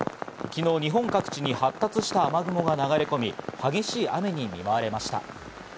昨日、日本各地に発達した雨雲が流れ込み、激しい雨に見舞われました。